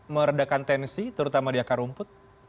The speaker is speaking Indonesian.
meredakan tensi terutama di akar rumput